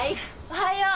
おはよう！